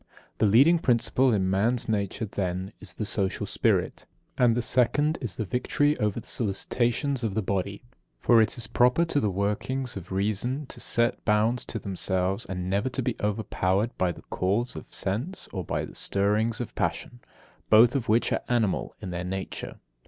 The leading principle in man's nature, then, is the social spirit; and the second is victory over the solicitations of the body. For it is proper to the workings of reason to set bounds to themselves, and never to be overpowered by the calls of sense or by the stirrings of passion, both of which are animal in their nature.